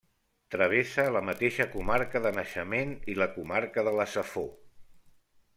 Travessa la mateixa comarca de naixement i la comarca de la Safor.